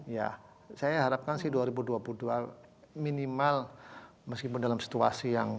ya saya harapkan sih dua ribu dua puluh dua minimal meskipun dalam situasi yang